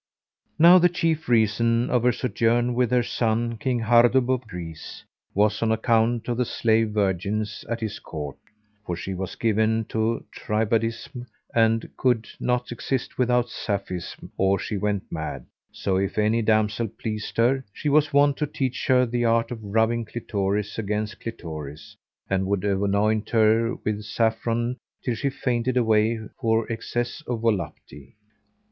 Now the chief reason of her sojourn with her son, King Hardub of Greece, was on account of the slave virgins at his court: for she was given to tribadism[FN#410] and could not exist without sapphism or she went mad: so if any damsel pleased her, she was wont to teach her the art of rubbing clitoris against clitoris and would anoint her with saffron[FN#411] till she fainted away for excess of volupty.